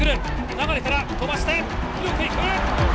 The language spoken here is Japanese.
流から飛ばして広く行く！